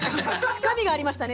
深みがありましたね